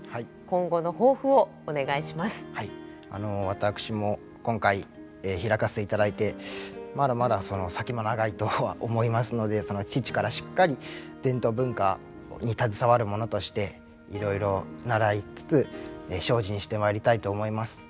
私も今回披かせていただいてまだまだ先も長いとは思いますので父からしっかり伝統文化に携わる者としていろいろ習いつつ精進してまいりたいと思います。